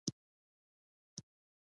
• د برېښنا نه شتون اقتصادي زیانونه لري.